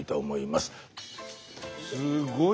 すごい。